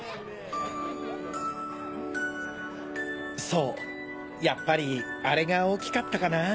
そうやっぱりあれが大きかったかなぁ